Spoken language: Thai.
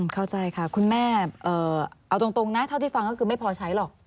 เข้าใจค่ะคุณแม่เอาตรงนะเท่าที่ฟังก็คือไม่พอใช้หรอก